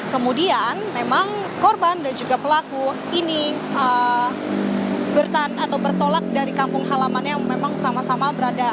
kemudian memang korban dan juga pelaku ini bertan atau bertolak dari kampung halamannya yang memang sama sama berada